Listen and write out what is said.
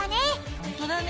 ほんとだね。